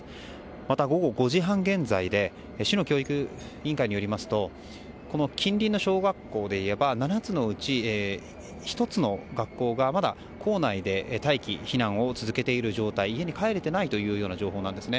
また午後５時半現在で市の教育委員会によりますとこの近隣の小学校でいえば７つのうち１つの学校がまだ校内で待機・避難を続けている状態家に帰れていないというような情報なんですね。